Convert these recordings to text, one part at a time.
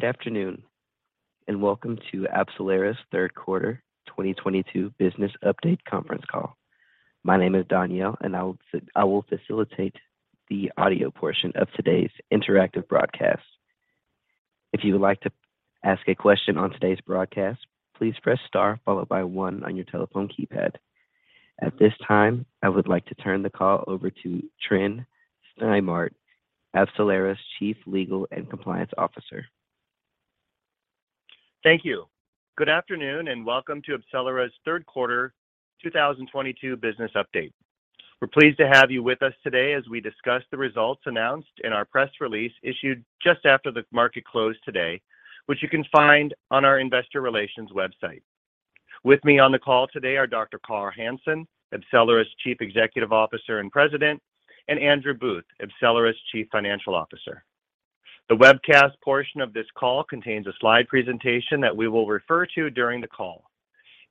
Good afternoon, and welcome to AbCellera's Q3 2022 business update conference call. My name is Danielle, and I will facilitate the audio portion of today's interactive broadcast. If you would like to ask a question on today's broadcast, please press star followed by one on your telephone keypad. At this time, I would like to turn the call over to Tryn Stimart, AbCellera's Chief Legal and Compliance Officer. Thank you. Good afternoon, and welcome to AbCellera's Q3 2022 business update. We're pleased to have you with us today as we discuss the results announced in our press release issued just after the market closed today, which you can find on our investor relations website. With me on the call today are Dr. Carl Hansen, AbCellera's Chief Executive Officer and President, and Andrew Booth, AbCellera's Chief Financial Officer. The webcast portion of this call contains a slide presentation that we will refer to during the call.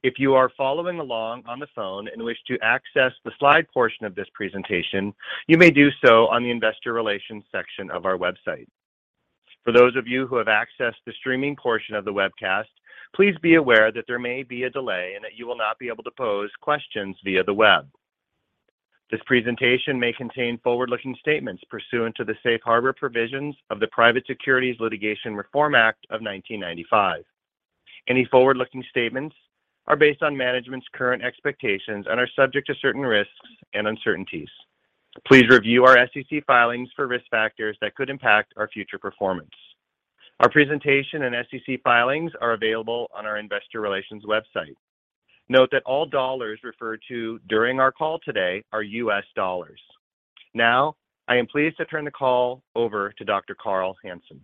If you are following along on the phone and wish to access the slide portion of this presentation, you may do so on the investor relations section of our website. For those of you who have accessed the streaming portion of the webcast, please be aware that there may be a delay and that you will not be able to pose questions via the web. This presentation may contain forward-looking statements pursuant to the Safe Harbor provisions of the Private Securities Litigation Reform Act of 1995. Any forward-looking statements are based on management's current expectations and are subject to certain risks and uncertainties. Please review our SEC filings for risk factors that could impact our future performance. Our presentation and SEC filings are available on our investor relations website. Note that all dollars referred to during our call today are US dollars. Now, I am pleased to turn the call over to Dr. Carl Hansen.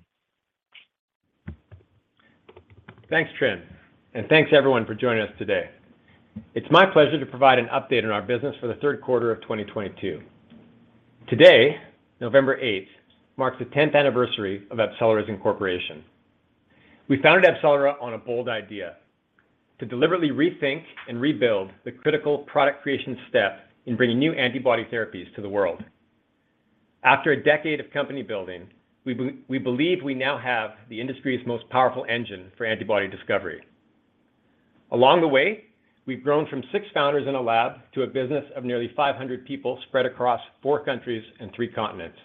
Thanks, Tryn, and thanks everyone for joining us today. It's my pleasure to provide an update on our business for the Q3 of 2022. Today, November 8th, marks the 10th anniversary of AbCellera's incorporation. We founded AbCellera on a bold idea, to deliberately rethink and rebuild the critical product creation step in bringing new antibody therapies to the world. After a decade of company building, we believe we now have the industry's most powerful engine for antibody discovery. Along the way, we've grown from six founders in a lab to a business of nearly 500 people spread across four countries and three continents.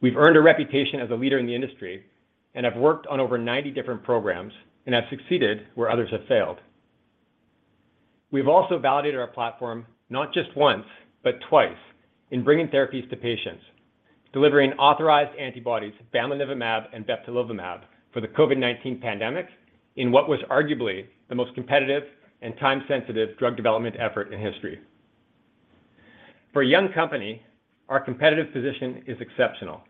We've earned a reputation as a leader in the industry and have worked on over 90 different programs and have succeeded where others have failed. We've also validated our platform not just once, but twice in bringing therapies to patients, delivering authorized antibodies bamlanivimab and etesevimab for the COVID-19 pandemic in what was arguably the most competitive and time-sensitive drug development effort in history. For a young company, our competitive position is exceptional.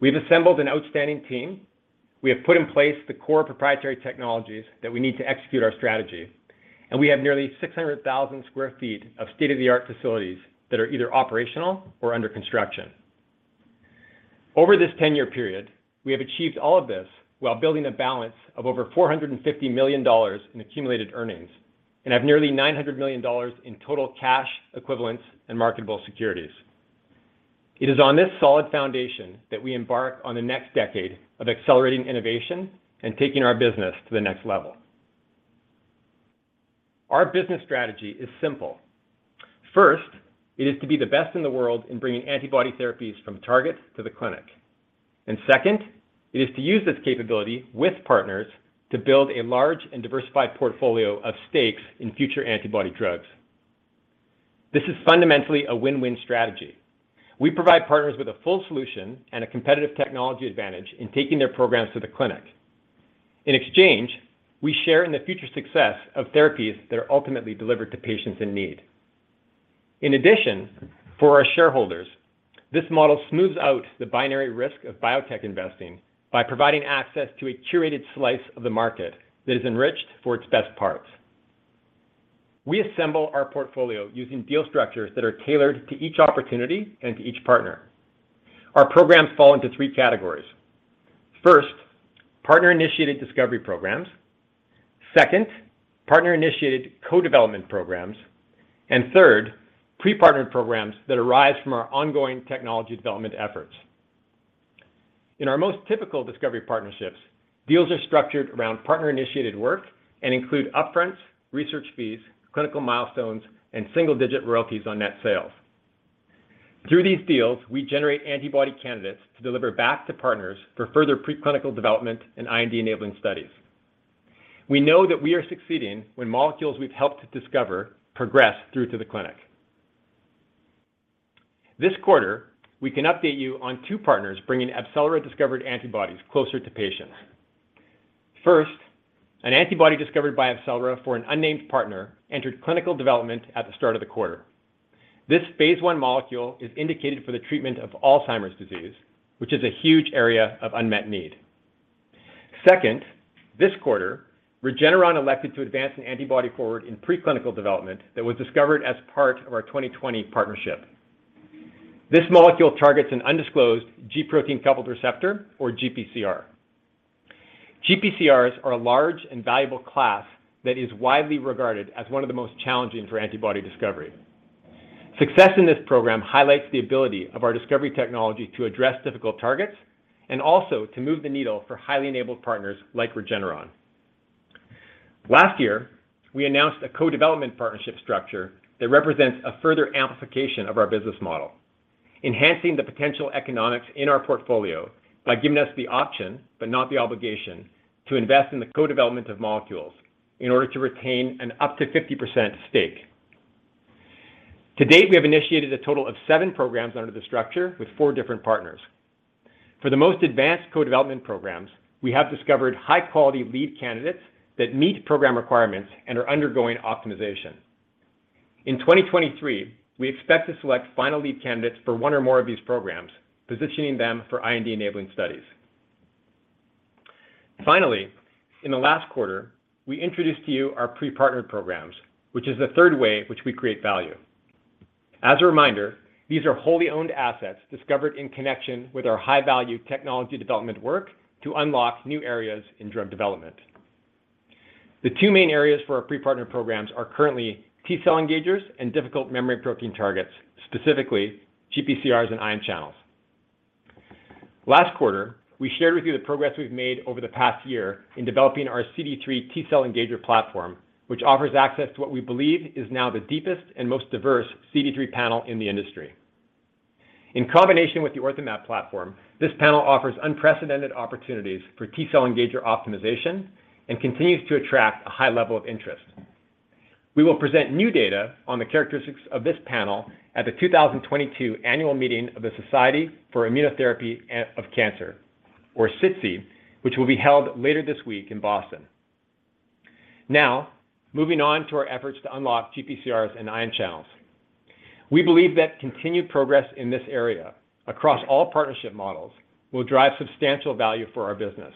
We've assembled an outstanding team. We have put in place the core proprietary technologies that we need to execute our strategy, and we have nearly 600,000 sq ft of state-of-the-art facilities that are either operational or under construction. Over this 10-year period, we have achieved all of this while building a balance of over $450 million in accumulated earnings and have nearly $900 million in total cash equivalents and marketable securities. It is on this solid foundation that we embark on the next decade of accelerating innovation and taking our business to the next level. Our business strategy is simple. First, it is to be the best in the world in bringing antibody therapies from target to the clinic. Second, it is to use this capability with partners to build a large and diversified portfolio of stakes in future antibody drugs. This is fundamentally a win-win strategy. We provide partners with a full solution and a competitive technology advantage in taking their programs to the clinic. In exchange, we share in the future success of therapies that are ultimately delivered to patients in need. In addition, for our shareholders, this model smooths out the binary risk of biotech investing by providing access to a curated slice of the market that is enriched for its best parts. We assemble our portfolio using deal structures that are tailored to each opportunity and to each partner. Our programs fall into three categories. First, partner-initiated discovery programs. Second, partner-initiated co-development programs. Third, pre-partnered programs that arise from our ongoing technology development efforts. In our most typical discovery partnerships, deals are structured around partner-initiated work and include upfronts, research fees, clinical milestones, and single-digit royalties on net sales. Through these deals, we generate antibody candidates to deliver back to partners for further preclinical development and IND-enabling studies. We know that we are succeeding when molecules we've helped to discover progress through to the clinic. This quarter, we can update you on two partners bringing AbCellera-discovered antibodies closer to patients. First, an antibody discovered by AbCellera for an unnamed partner entered clinical development at the start of the quarter. This Phase 1 molecule is indicated for the treatment of Alzheimer's disease, which is a huge area of unmet need. Second, this quarter, Regeneron elected to advance an antibody forward in preclinical development that was discovered as part of our 2020 partnership. This molecule targets an undisclosed G-protein coupled receptor or GPCR. GPCRs are a large and valuable class that is widely regarded as one of the most challenging for antibody discovery. Success in this program highlights the ability of our discovery technology to address difficult targets and also to move the needle for highly enabled partners like Regeneron. Last year, we announced a co-development partnership structure that represents a further amplification of our business model, enhancing the potential economics in our portfolio by giving us the option, but not the obligation, to invest in the co-development of molecules in order to retain an up to 50% stake. To date, we have initiated a total of 7 programs under the structure with four different partners. For the most advanced co-development programs, we have discovered high-quality lead candidates that meet program requirements and are undergoing optimization. In 2023, we expect to select final lead candidates for one or more of these programs, positioning them for IND-enabling studies. Finally, in the last quarter, we introduced to you our pre-partnered programs, which is the third way which we create value. As a reminder, these are wholly owned assets discovered in connection with our high-value technology development work to unlock new areas in drug development. The two main areas for our pre-partnered programs are currently T-cell engagers and difficult membrane protein targets, specifically GPCRs and ion channels. Last quarter, we shared with you the progress we've made over the past year in developing our CD3 T-cell engager platform, which offers access to what we believe is now the deepest and most diverse CD3 panel in the industry. In combination with the OrthoMab platform, this panel offers unprecedented opportunities for T-cell engager optimization and continues to attract a high level of interest. We will present new data on the characteristics of this panel at the 2022 annual meeting of the Society for Immunotherapy of Cancer, or SITC, which will be held later this week in Boston. Now, moving on to our efforts to unlock GPCRs and ion channels. We believe that continued progress in this area across all partnership models will drive substantial value for our business.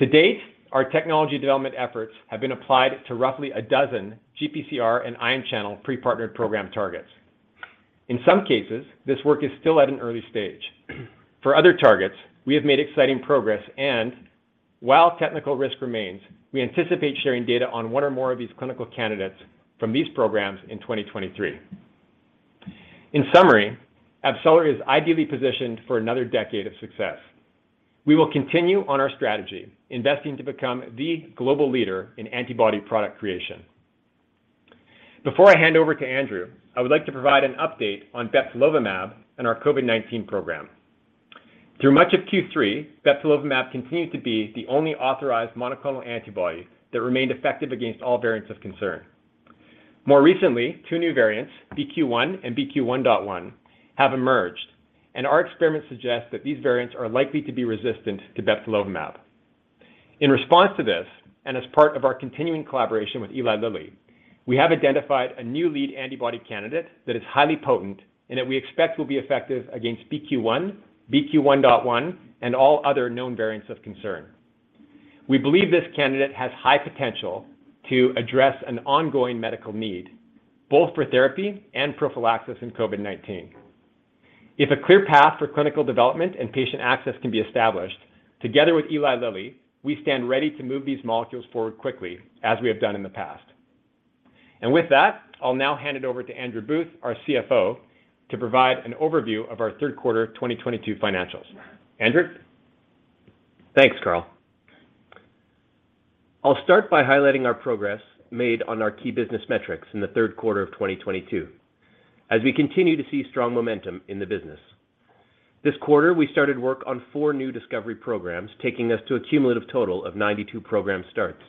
To date, our technology development efforts have been applied to roughly a dozen GPCR and ion channel pre-partnered program targets. In some cases, this work is still at an early stage. For other targets, we have made exciting progress, and while technical risk remains, we anticipate sharing data on one or more of these clinical candidates from these programs in 2023. In summary, AbCellera is ideally positioned for another decade of success. We will continue on our strategy, investing to become the global leader in antibody product creation. Before I hand over to Andrew, I would like to provide an update on bebtelovimab and our COVID-19 program. Through much of Q3, bebtelovimab continued to be the only authorized monoclonal antibody that remained effective against all variants of concern. More recently, two new variants, BQ.1 and BQ.1.1, have emerged, and our experiments suggest that these variants are likely to be resistant to bebtelovimab. In response to this, and as part of our continuing collaboration with Eli Lilly, we have identified a new lead antibody candidate that is highly potent and that we expect will be effective against BQ.1, BQ.1.1, and all other known variants of concern. We believe this candidate has high potential to address an ongoing medical need, both for therapy and prophylaxis in COVID-19. If a clear path for clinical development and patient access can be established, together with Eli Lilly, we stand ready to move these molecules forward quickly, as we have done in the past. With that, I'll now hand it over to Andrew Booth, our CFO, to provide an overview of our Q3 2022 financials. Andrew? Thanks, Carl. I'll start by highlighting our progress made on our key business metrics in the Q3 of 2022 as we continue to see strong momentum in the business. This quarter, we started work on 4 new discovery programs, taking us to a cumulative total of 92 program starts.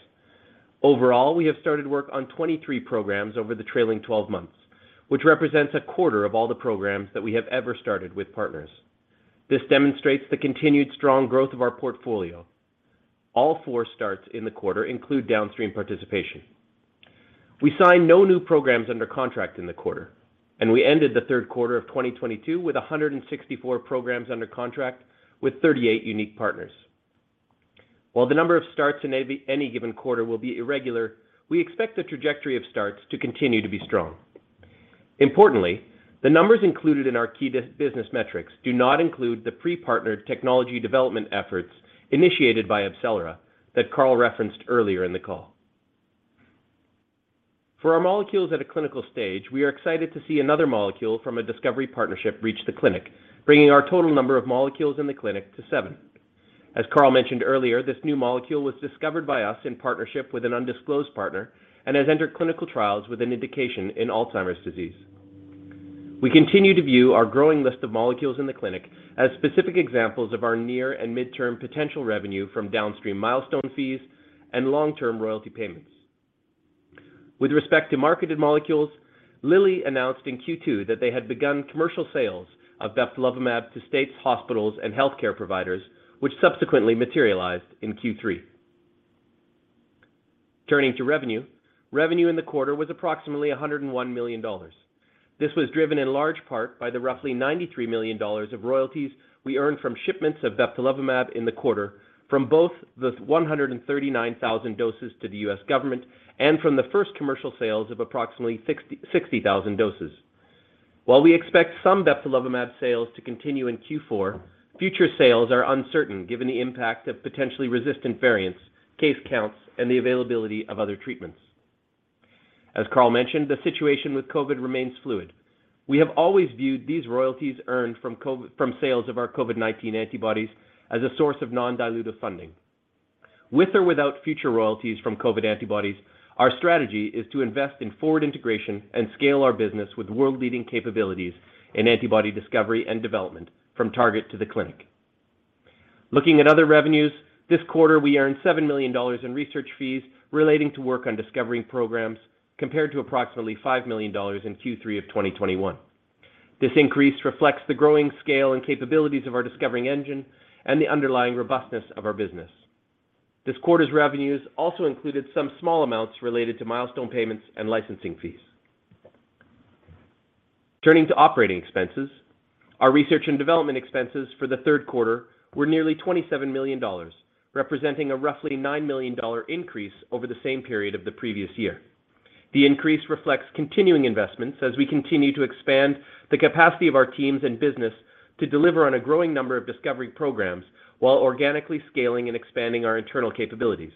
Overall, we have started work on 23 programs over the trailing 12 months, which represents a quarter of all the programs that we have ever started with partners. This demonstrates the continued strong growth of our portfolio. All 4 starts in the quarter include downstream participation. We signed no new programs under contract in the quarter, and we ended the Q3 of 2022 with 164 programs under contract with 38 unique partners. While the number of starts in any given quarter will be irregular, we expect the trajectory of starts to continue to be strong. Importantly, the numbers included in our key business metrics do not include the pre-partnered technology development efforts initiated by AbCellera that Carl referenced earlier in the call. For our molecules at a clinical stage, we are excited to see another molecule from a discovery partnership reach the clinic, bringing our total number of molecules in the clinic to seven. As Carl mentioned earlier, this new molecule was discovered by us in partnership with an undisclosed partner and has entered clinical trials with an indication in Alzheimer's disease. We continue to view our growing list of molecules in the clinic as specific examples of our near and mid-term potential revenue from downstream milestone fees and long-term royalty payments. With respect to marketed molecules, Lilly announced in Q2 that they had begun commercial sales of bebtelovimab to states, hospitals, and healthcare providers, which subsequently materialized in Q3. Turning to revenue in the quarter was approximately $101 million. This was driven in large part by the roughly $93 million of royalties we earned from shipments of bebtelovimab in the quarter from both the 139,000 doses to the U.S. government and from the first commercial sales of approximately 60,000 doses. While we expect some bebtelovimab sales to continue in Q4, future sales are uncertain given the impact of potentially resistant variants, case counts, and the availability of other treatments. As Carl mentioned, the situation with COVID remains fluid. We have always viewed these royalties earned from sales of our COVID-19 antibodies as a source of non-dilutive funding. With or without future royalties from COVID antibodies, our strategy is to invest in forward integration and scale our business with world-leading capabilities in antibody discovery and development from target to the clinic. Looking at other revenues, this quarter, we earned $7 million in research fees relating to work on discovery programs compared to approximately $5 million in Q3 of 2021. This increase reflects the growing scale and capabilities of our discovery engine and the underlying robustness of our business. This quarter's revenues also included some small amounts related to milestone payments and licensing fees. Turning to operating expenses, our research and development expenses for the Q3 were nearly $27 million, representing a roughly $9 million increase over the same period of the previous year. The increase reflects continuing investments as we continue to expand the capacity of our teams and business to deliver on a growing number of discovery programs while organically scaling and expanding our internal capabilities.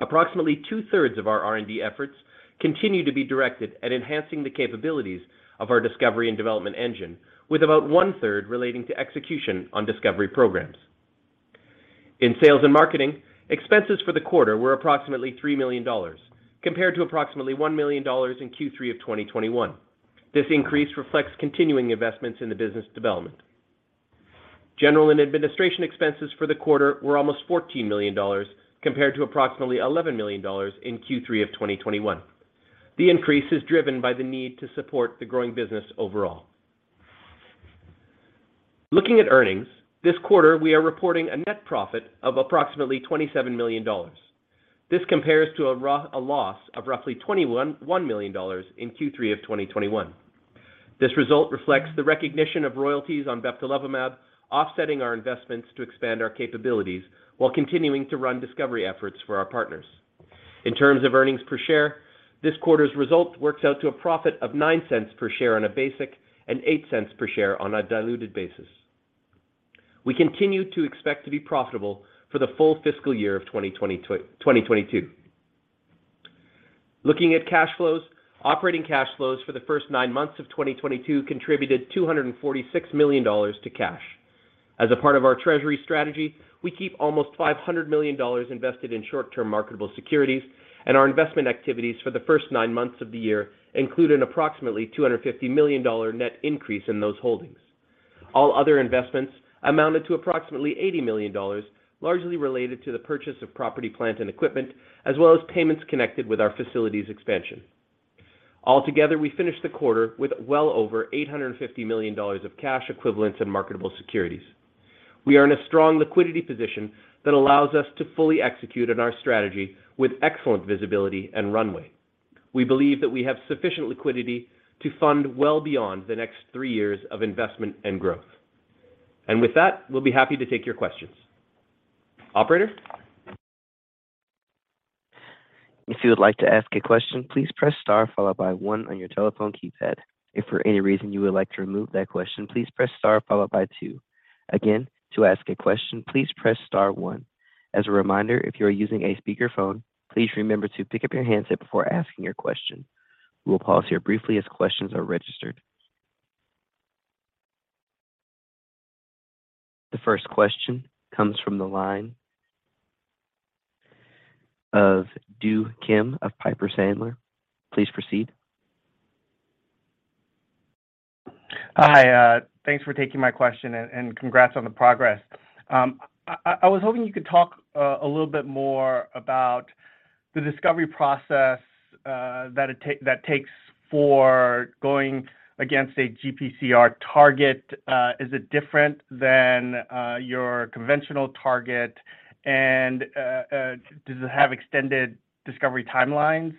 Approximately two-thirds of our R&D efforts continue to be directed at enhancing the capabilities of our discovery and development engine, with about one-third relating to execution on discovery programs. In sales and marketing, expenses for the quarter were approximately $3 million, compared to approximately $1 million in Q3 of 2021. This increase reflects continuing investments in the business development. General and administrative expenses for the quarter were almost $14 million, compared to approximately $11 million in Q3 of 2021. The increase is driven by the need to support the growing business overall. Looking at earnings, this quarter, we are reporting a net profit of approximately $27 million. This compares to a loss of roughly $21 million in Q3 of 2021. This result reflects the recognition of royalties on bebtelovimab offsetting our investments to expand our capabilities while continuing to run discovery efforts for our partners. In terms of earnings per share, this quarter's result works out to a profit of $0.09 per share on a basic and $0.08 per share on a diluted basis. We continue to expect to be profitable for the full fiscal year of 2022. Looking at cash flows, operating cash flows for the first nine months of 2022 contributed $246 million to cash. As a part of our treasury strategy, we keep almost $500 million invested in short-term marketable securities, and our investment activities for the first nine months of the year include an approximately $250 million net increase in those holdings. All other investments amounted to approximately $80 million, largely related to the purchase of property, plant, and equipment, as well as payments connected with our facilities expansion. Altogether, we finished the quarter with well over $850 million of cash equivalents and marketable securities. We are in a strong liquidity position that allows us to fully execute on our strategy with excellent visibility and runway. We believe that we have sufficient liquidity to fund well beyond the next three years of investment and growth. With that, we'll be happy to take your questions. Operator? If you would like to ask a question, please press star followed by one on your telephone keypad. If for any reason you would like to remove that question, please press star followed by two. Again, to ask a question, please press star one. As a reminder, if you are using a speakerphone, please remember to pick up your handset before asking your question. We will pause here briefly as questions are registered. The first question comes from the line of Do Kim of Piper Sandler. Please proceed. Hi, thanks for taking my question and congrats on the progress. I was hoping you could talk a little bit more about the discovery process that takes for going against a GPCR target. Is it different than your conventional target, and does it have extended discovery timelines?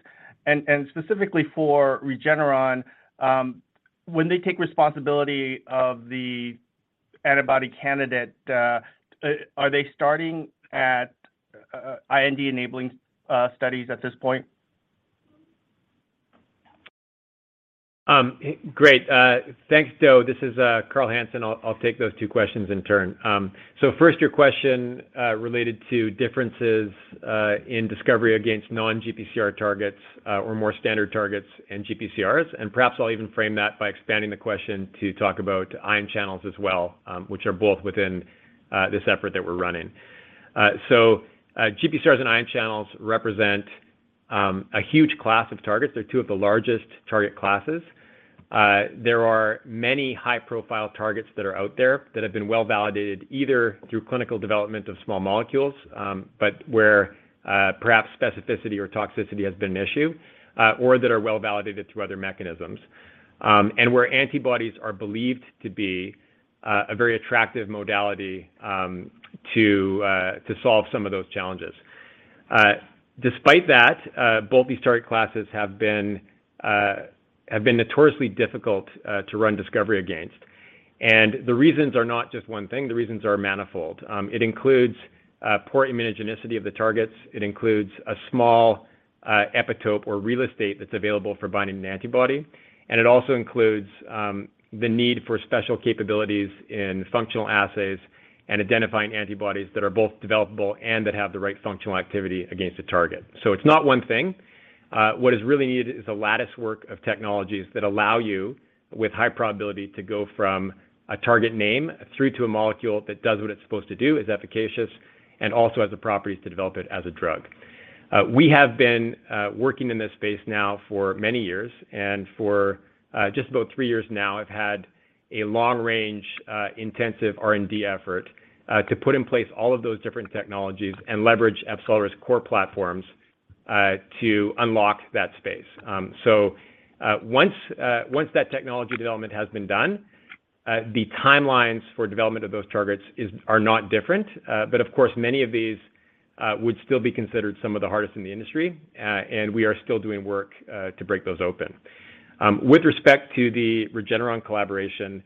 Specifically for Regeneron, when they take responsibility of the antibody candidate, are they starting at IND-enabling studies at this point? Great. Thanks, Do. This is Carl Hansen. I'll take those two questions in turn. First, your question related to differences in discovery against non-GPCR targets or more standard targets and GPCRs, and perhaps I'll even frame that by expanding the question to talk about ion channels as well, which are both within this effort that we're running. GPCRs and ion channels represent a huge class of targets. They're two of the largest target classes. There are many high-profile targets that are out there that have been well-validated either through clinical development of small molecules, but where perhaps specificity or toxicity has been an issue, or that are well-validated through other mechanisms, and where antibodies are believed to be a very attractive modality, to solve some of those challenges. Despite that, both these target classes have been notoriously difficult to run discovery against. The reasons are not just one thing, the reasons are manifold. It includes poor immunogenicity of the targets. It includes a small epitope or real estate that's available for binding an antibody. It also includes the need for special capabilities in functional assays and identifying antibodies that are both developable and that have the right functional activity against a target. It's not one thing. What is really needed is a latticework of technologies that allow you, with high probability, to go from a target name through to a molecule that does what it's supposed to do, is efficacious, and also has the properties to develop it as a drug. We have been working in this space now for many years, and for just about three years now have had a long-range intensive R&D effort to put in place all of those different technologies and leverage AbCellera's core platforms to unlock that space. Once that technology development has been done, the timelines for development of those targets are not different. Of course, many of these would still be considered some of the hardest in the industry and we are still doing work to break those open. With respect to the Regeneron collaboration,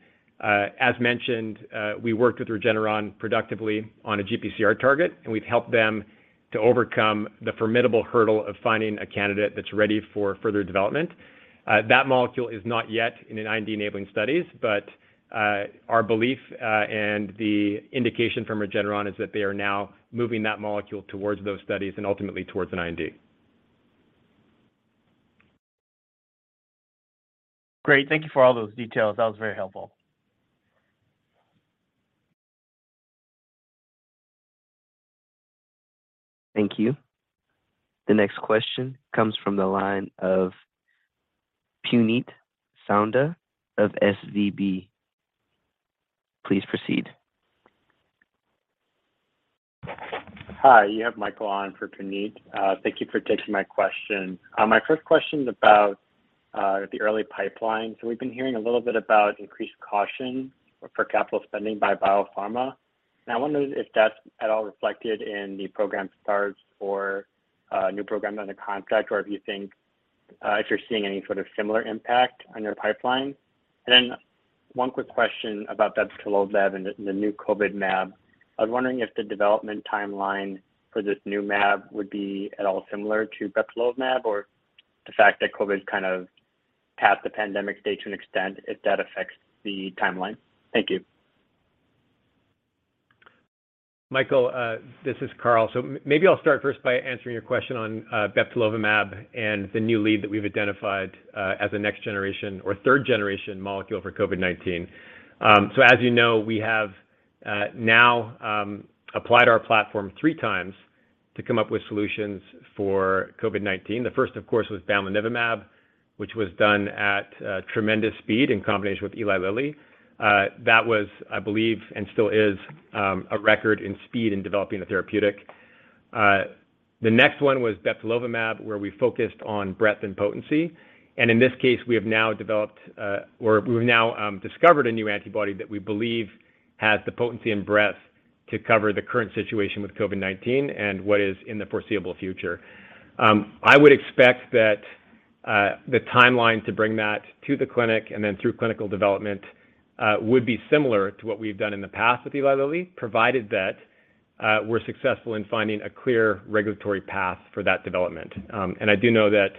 as mentioned, we worked with Regeneron productively on a GPCR target, and we've helped them to overcome the formidable hurdle of finding a candidate that's ready for further development. That molecule is not yet in an IND-enabling studies, but our belief and the indication from Regeneron is that they are now moving that molecule towards those studies and ultimately towards an IND. Great. Thank you for all those details. That was very helpful. Thank you. The next question comes from the line of Puneet Souda of SVB. Please proceed. Hi, you have Michael on for Puneet. Thank you for taking my question. My first question is about the early pipeline. We've been hearing a little bit about increased caution for capital spending by biopharma, and I wonder if that's at all reflected in the program starts or new programs under contract, or if you think if you're seeing any sort of similar impact on your pipeline. One quick question about bebtelovimab and the new COVID mAb. I was wondering if the development timeline for this new mAb would be at all similar to bebtelovimab or the fact that COVID kind of passed the pandemic stage to an extent, if that affects the timeline. Thank you. Michael, this is Carl. Maybe I'll start first by answering your question on bebtelovimab and the new lead that we've identified as a next generation or third generation molecule for COVID-19. As you know, we have now applied our platform three times to come up with solutions for COVID-19. The first, of course, was bamlanivimab, which was done at tremendous speed in combination with Eli Lilly. That was, I believe, and still is, a record in speed in developing a therapeutic. The next one was bebtelovimab, where we focused on breadth and potency. In this case, we have now developed or we've now discovered a new antibody that we believe has the potency and breadth to cover the current situation with COVID-19 and what is in the foreseeable future. I would expect that the timeline to bring that to the clinic and then through clinical development would be similar to what we've done in the past with Eli Lilly, provided that we're successful in finding a clear regulatory path for that development. I do know that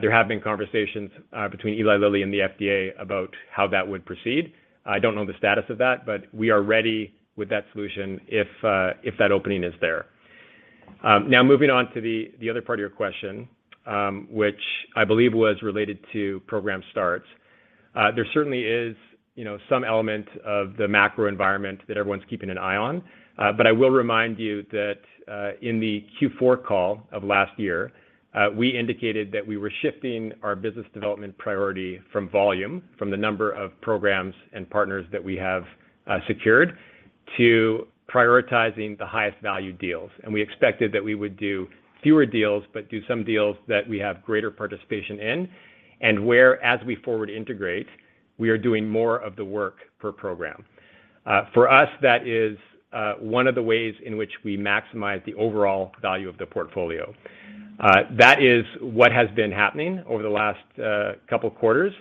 there have been conversations between Eli Lilly and the FDA about how that would proceed. I don't know the status of that, but we are ready with that solution if that opening is there. Now moving on to the other part of your question, which I believe was related to program starts. There certainly is, you know, some element of the macro environment that everyone's keeping an eye on. I will remind you that, in the Q4 call of last year, we indicated that we were shifting our business development priority from volume, from the number of programs and partners that we have secured, to prioritizing the highest value deals. We expected that we would do fewer deals, but do some deals that we have greater participation in and where as we forward integrate, we are doing more of the work per program. For us, that is one of the ways in which we maximize the overall value of the portfolio. That is what has been happening over the last couple quarters.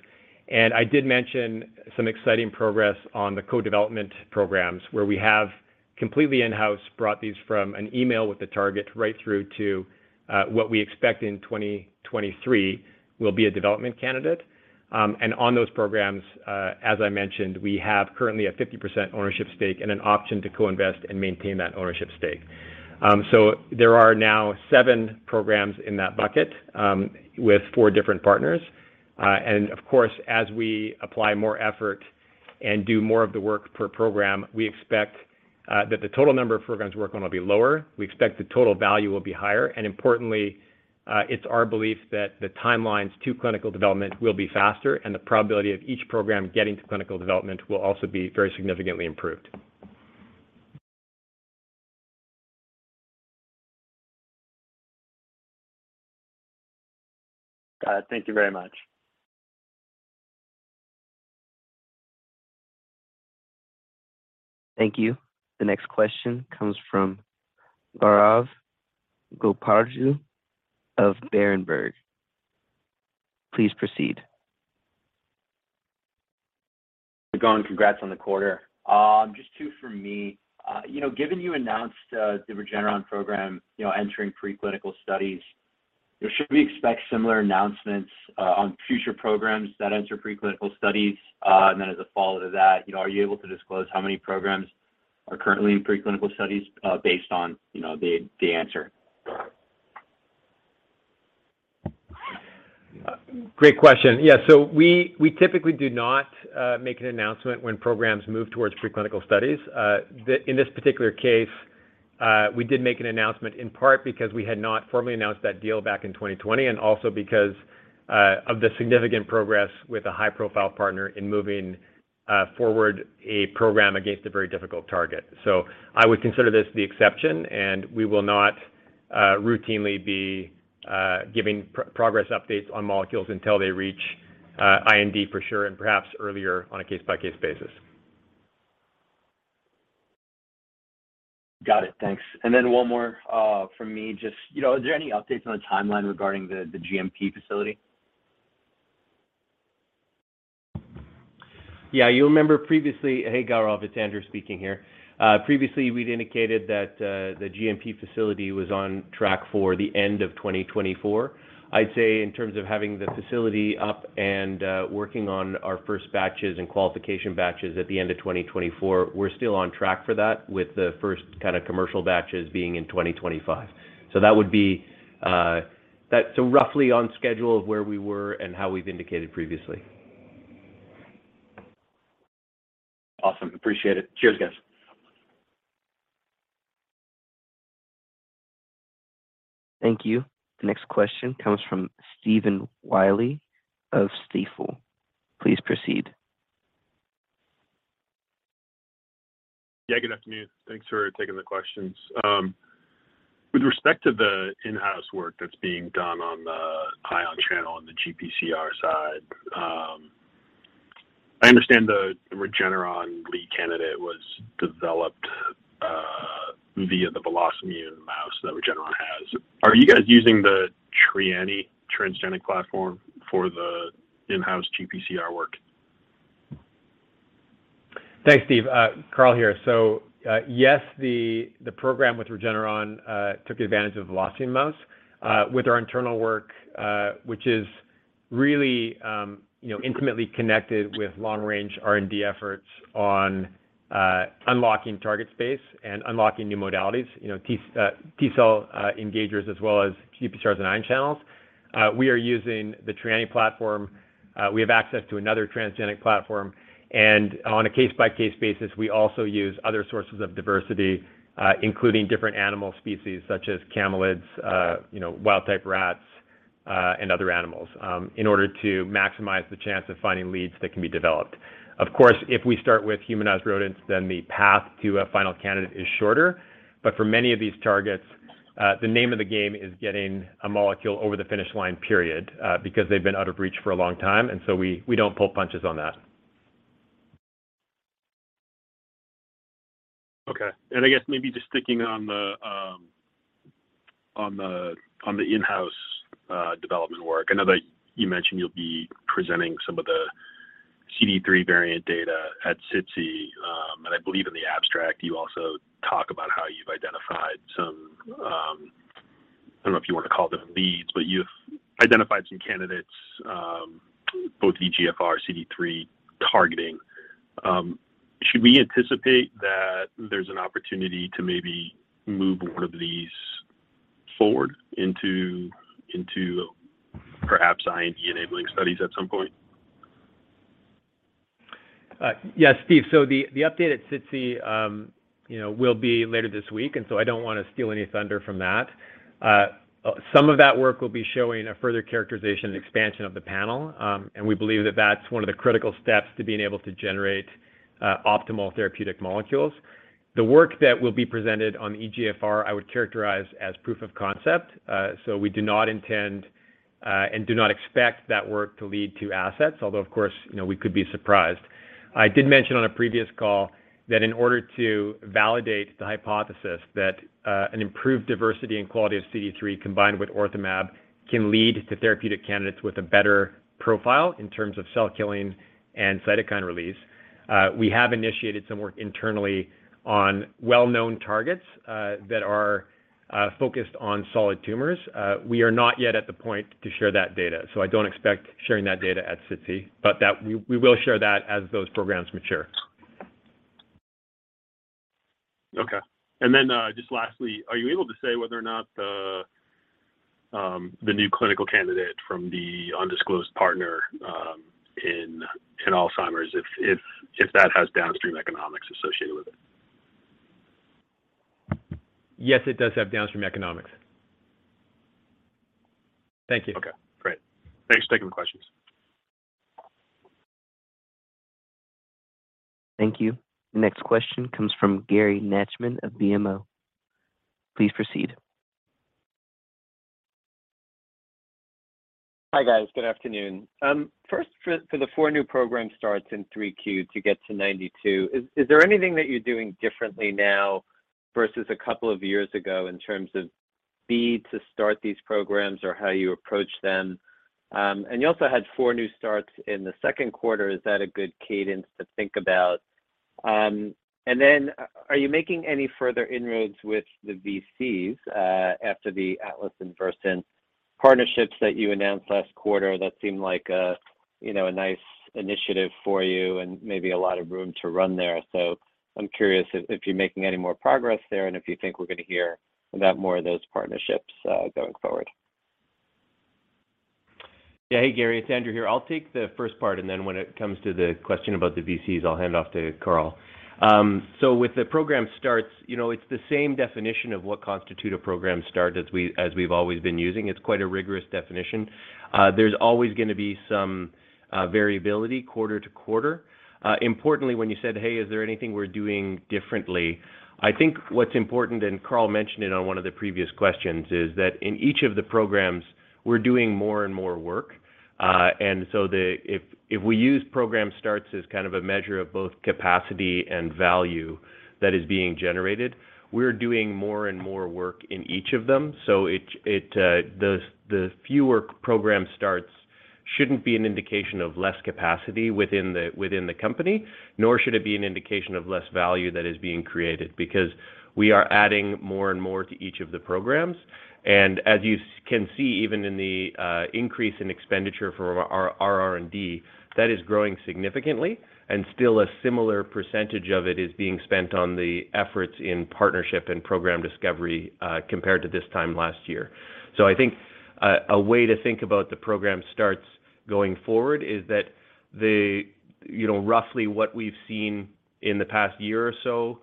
I did mention some exciting progress on the co-development programs, where we have completely in-house brought these from an initial with the target right through to what we expect in 2023 will be a development candidate. On those programs, as I mentioned, we have currently a 50% ownership stake and an option to co-invest and maintain that ownership stake. There are now seven programs in that bucket with four different partners. Of course, as we apply more effort and do more of the work per program, we expect that the total number of programs we're working on will be lower. We expect the total value will be higher. Importantly, it's our belief that the timelines to clinical development will be faster and the probability of each program getting to clinical development will also be very significantly improved. Thank you very much. Thank you. The next question comes from Gaurav Goparaju of Berenberg. Please proceed. Gaurav, congrats on the quarter. Just two from me. You know, given you announced the Regeneron program, you know, entering preclinical studies, should we expect similar announcements on future programs that enter preclinical studies? As a follow-up to that, you know, are you able to disclose how many programs are currently in preclinical studies, based on, you know, the answer? Great question. Yeah, so we typically do not make an announcement when programs move towards preclinical studies. In this particular case, we did make an announcement in part because we had not formally announced that deal back in 2020, and also because of the significant progress with a high-profile partner in moving forward a program against a very difficult target. I would consider this the exception, and we will not routinely be giving progress updates on molecules until they reach IND for sure and perhaps earlier on a case-by-case basis. Got it. Thanks. One more from me. Just, you know, is there any updates on the timeline regarding the GMP facility? Yeah. You'll remember previously. Hey, Gaurav, it's Andrew speaking here. Previously, we'd indicated that the GMP facility was on track for the end of 2024. I'd say in terms of having the facility up and working on our first batches and qualification batches at the end of 2024, we're still on track for that with the first kind a commercial batches being in 2025. That would be roughly on schedule of where we were and how we've indicated previously. Awesome. Appreciate it. Cheers, guys. Thank you. The next question comes from Stephen Willey of Stifel. Please proceed. Yeah, good afternoon. Thanks for taking the questions. With respect to the in-house work that's being done on the ion channel and the GPCR side, I understand the Regeneron lead candidate was developed via the VelocImmune mouse that Regeneron has. Are you guys using the Trianni transgenic platform for the in-house GPCR work? Thanks, Steve. Carl here. Yes, the program with Regeneron took advantage of VelocImmune mouse. With our internal work, which is really, you know, intimately connected with long-range R&D efforts on unlocking target space and unlocking new modalities, you know, T-cell engagers as well as GPCRs and ion channels. We are using the Trianni platform. We have access to another transgenic platform. And on a case-by-case basis, we also use other sources of diversity, including different animal species such as camelids, you know, wild-type rats, and other animals, in order to maximize the chance of finding leads that can be developed. Of course, if we start with humanized rodents, then the path to a final candidate is shorter. For many of these targets, the name of the game is getting a molecule over the finish line, period, because they've been out of reach for a long time, and so we don't pull punches on that. Okay. I guess maybe just sticking on the in-house development work. I know that you mentioned you'll be presenting some of the CD3 variant data at SITC, and I believe in the abstract you also talk about how you've identified some, I don't know if you wanna call them leads, but you've identified some candidates, both EGFR/CD3 targeting. Should we anticipate that there's an opportunity to maybe move one of these forward into perhaps IND-enabling studies at some point? Steve. The update at SITC, you know, will be later this week, and I don't wanna steal any thunder from that. Some of that work will be showing a further characterization and expansion of the panel, and we believe that that's one of the critical steps to being able to generate optimal therapeutic molecules. The work that will be presented on EGFR, I would characterize as proof of concept, so we do not intend and do not expect that work to lead to assets, although, of course, you know, we could be surprised. I did mention on a previous call that in order to validate the hypothesis that an improved diversity and quality of CD3 combined with OrthoMab can lead to therapeutic candidates with a better profile in terms of cell killing and cytokine release. We have initiated some work internally on well-known targets that are focused on solid tumors. We are not yet at the point to share that data, so I don't expect sharing that data at SITC, but that we will share that as those programs mature. Okay. Just lastly, are you able to say whether or not the new clinical candidate from the undisclosed partner in Alzheimer's, if that has downstream economics associated with it? Yes, it does have downstream economics. Thank you. Okay, great. Thanks for taking the questions. Thank you. The next question comes from Gary Nachman of BMO. Please proceed. Hi, guys. Good afternoon. First for the 4 new program starts in 3Q to get to 92, is there anything that you're doing differently now versus a couple of years ago in terms of speed to start these programs or how you approach them? And you also had 4 new starts in the Q2. Is that a good cadence to think about? And then are you making any further inroads with the VCs, after the Atlas and Versant partnerships that you announced last quarter? That seemed like a, you know, a nice initiative for you and maybe a lot of room to run there. I'm curious if you're making any more progress there, and if you think we're gonna hear about more of those partnerships, going forward. Yeah. Hey, Gary, it's Andrew here. I'll take the first part, and then when it comes to the question about the VCs, I'll hand it off to Carl. So with the program starts, you know, it's the same definition of what constitute a program start as we've always been using. It's quite a rigorous definition. There's always gonna be some variability quarter to quarter. Importantly, when you said, "Hey, is there anything we're doing differently?" I think what's important, and Carl mentioned it on one of the previous questions, is that in each of the programs, we're doing more and more work. If we use program starts as kind of a measure of both capacity and value that is being generated, we're doing more and more work in each of them. The fewer program starts shouldn't be an indication of less capacity within the company, nor should it be an indication of less value that is being created because we are adding more and more to each of the programs. As you can see, even in the increase in expenditure for our R&D, that is growing significantly and still a similar percentage of it is being spent on the efforts in partnership and program discovery, compared to this time last year. I think a way to think about the program starts going forward is that. You know, roughly what we've seen in the past year or so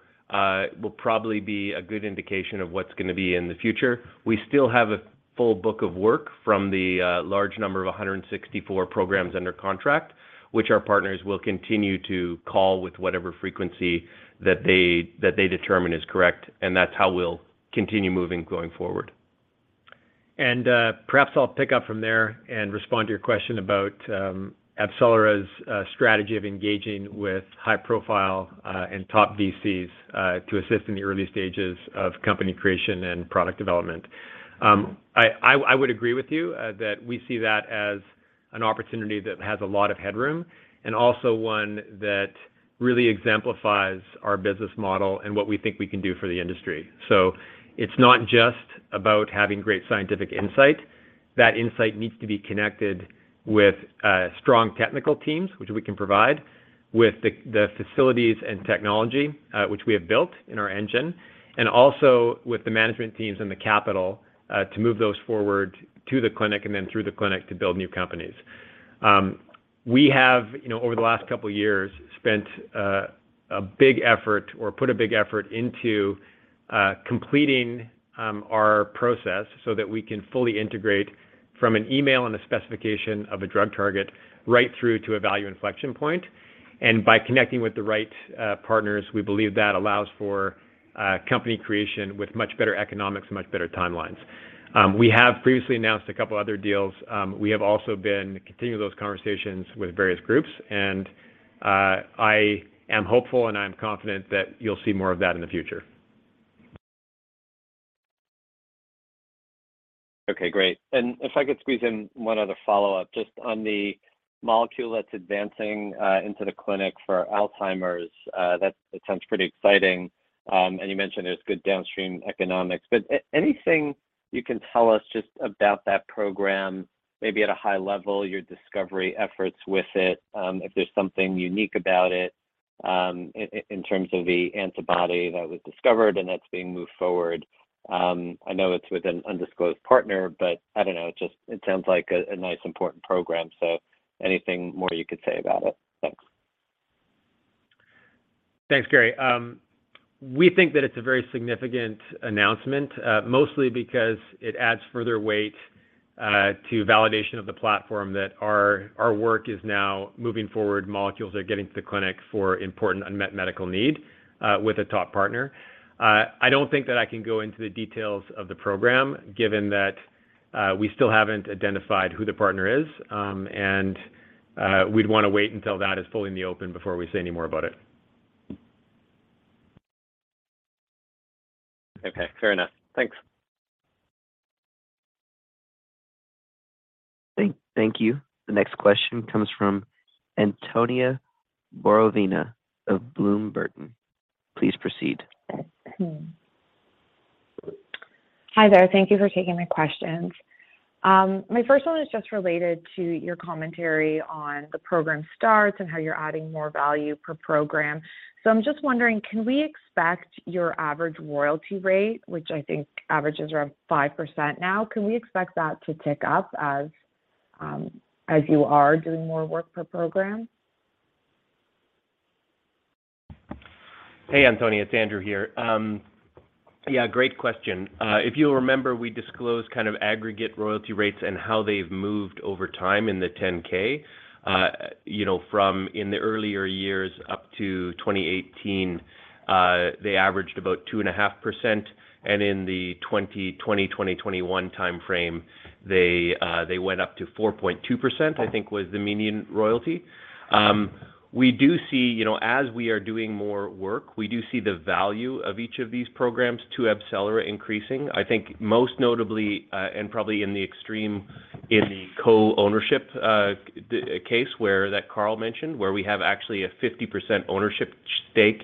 will probably be a good indication of what's gonna be in the future. We still have a full book of work from the large number of 164 programs under contract, which our partners will continue to call with whatever frequency that they determine is correct, and that's how we'll continue moving forward. Perhaps I'll pick up from there and respond to your question about AbCellera's strategy of engaging with high profile and top VCs to assist in the early stages of company creation and product development. I would agree with you that we see that as an opportunity that has a lot of headroom and also one that really exemplifies our business model and what we think we can do for the industry. It's not just about having great scientific insight. That insight needs to be connected with strong technical teams, which we can provide, with the facilities and technology which we have built in our engine, and also with the management teams and the capital to move those forward to the clinic and then through the clinic to build new companies. We have, you know, over the last couple years, put a big effort into completing our process so that we can fully integrate from an email and a specification of a drug target right through to a value inflection point. By connecting with the right partners, we believe that allows for company creation with much better economics and much better timelines. We have previously announced a couple other deals. We have also been continuing those conversations with various groups, and I am hopeful and I'm confident that you'll see more of that in the future. Okay. Great. If I could squeeze in one other follow-up, just on the molecule that's advancing into the clinic for Alzheimer's, it sounds pretty exciting. You mentioned there's good downstream economics, but anything you can tell us just about that program, maybe at a high level, your discovery efforts with it, if there's something unique about it, in terms of the antibody that was discovered and that's being moved forward. I know it's with an undisclosed partner, but I don't know, it sounds like a nice important program, anything more you could say about it. Thanks. Thanks, Gary. We think that it's a very significant announcement, mostly because it adds further weight to validation of the platform that our work is now moving forward. Molecules are getting to the clinic for important unmet medical need, with a top partner. I don't think that I can go into the details of the program given that we still haven't identified who the partner is, and we'd wanna wait until that is fully in the open before we say any more about it. Okay. Fair enough. Thanks. Thank you. The next question comes from Antonia Borovina of Bloomberg. Please proceed. Hi there. Thank you for taking my questions. My first one is just related to your commentary on the program starts and how you're adding more value per program. I'm just wondering, can we expect your average royalty rate, which I think averages around 5% now, can we expect that to tick up as you are doing more work per program? Hey, Antonia. It's Andrew Booth here. Yeah, great question. If you'll remember, we disclosed kind of aggregate royalty rates and how they've moved over time in the 10-K. You know, from in the earlier years up to 2018, they averaged about 2.5%, and in the 2020, 2021 time frame, they went up to 4.2%. I think was the median royalty. We do see, you know, as we are doing more work, we do see the value of each of these programs to AbCellera increasing. I think most notably, and probably in the extreme in the co-ownership case where that Carl mentioned, where we have actually a 50% ownership stake,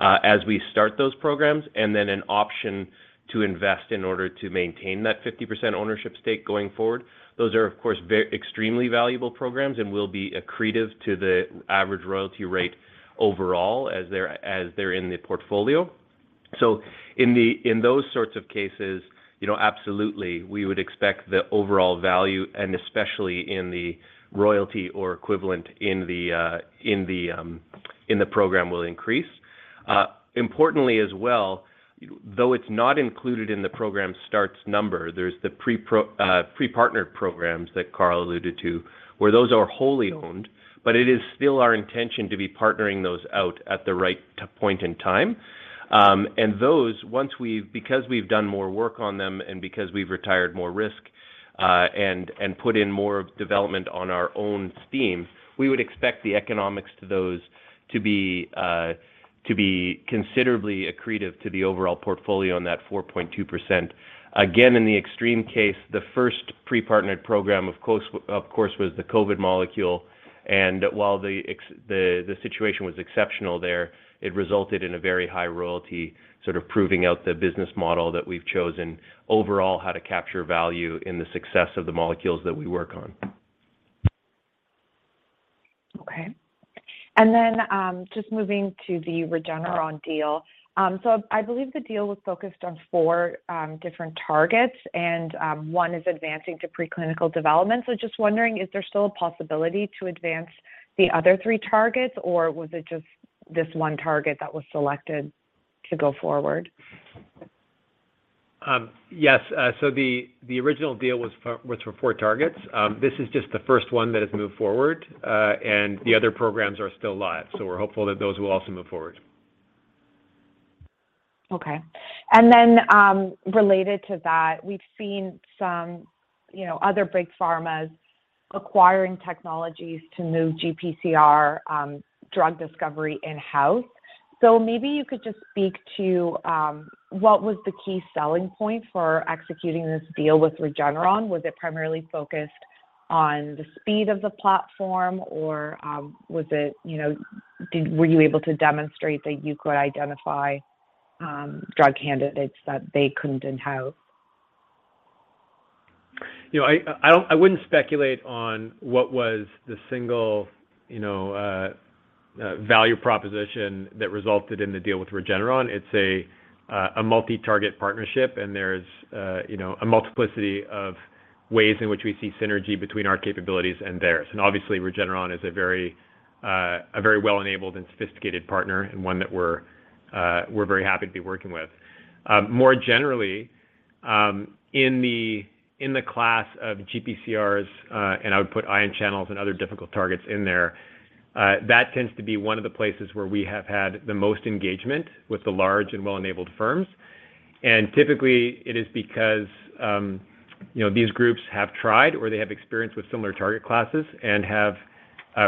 as we start those programs and then an option to invest in order to maintain that 50% ownership stake going forward. Those are of course extremely valuable programs and will be accretive to the average royalty rate overall as they're in the portfolio. In those sorts of cases, you know, absolutely, we would expect the overall value, and especially in the royalty or equivalent in the program will increase. Importantly as well, though it's not included in the program starts number, there's the pre-partnered programs that Carl alluded to, where those are wholly owned, but it is still our intention to be partnering those out at the right point and time. And those, once we've done more work on them and because we've retired more risk, and put in more development on our own steam, we would expect the economics of those to be considerably accretive to the overall portfolio on that 4.2%. Again, in the extreme case, the first pre-partnered program, of course, was the COVID molecule, and while the situation was exceptional there, it resulted in a very high royalty, sort of proving out the business model that we've chosen overall how to capture value in the success of the molecules that we work on. Just moving to the Regeneron deal. I believe the deal was focused on 4 different targets and 1 is advancing to preclinical development. Just wondering, is there still a possibility to advance the other 3 targets, or was it just this 1 target that was selected to go forward? Yes. The original deal was for four targets. This is just the first one that has moved forward, and the other programs are still live. We're hopeful that those will also move forward. Okay. Related to that, we've seen some, you know, other big pharmas acquiring technologies to move GPCR drug discovery in-house. Maybe you could just speak to what was the key selling point for executing this deal with Regeneron? Was it primarily focused on the speed of the platform, or, you know, were you able to demonstrate that you could identify drug candidates that they couldn't in-house? You know, I wouldn't speculate on what was the single, you know, value proposition that resulted in the deal with Regeneron. It's a multi-target partnership, and there's, you know, a multiplicity of ways in which we see synergy between our capabilities and theirs. Obviously, Regeneron is a very well-enabled and sophisticated partner and one that we're very happy to be working with. More generally, in the class of GPCRs, and I would put ion channels and other difficult targets in there, that tends to be one of the places where we have had the most engagement with the large and well-enabled firms. Typically, it is because, you know, these groups have tried or they have experience with similar target classes and have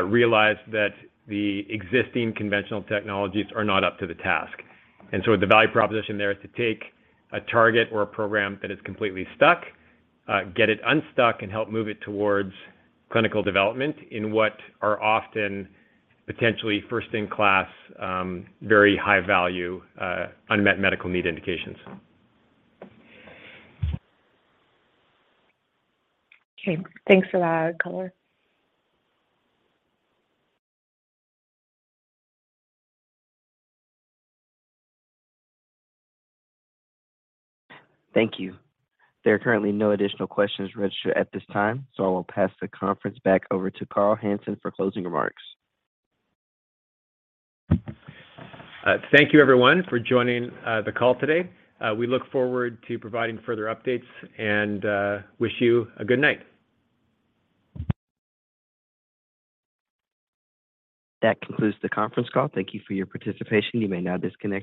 realized that the existing conventional technologies are not up to the task. The value proposition there is to take a target or a program that is completely stuck, get it unstuck and help move it towards clinical development in what are often potentially first-in-class, very high value, unmet medical need indications. Okay. Thanks for that color. Thank you. There are currently no additional questions registered at this time, so I will pass the conference back over to Carl Hansen for closing remarks. Thank you everyone for joining the call today. We look forward to providing further updates and wish you a good night. That concludes the conference call. Thank you for your participation. You may now disconnect your-